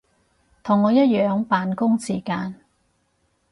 同我一樣扮工時間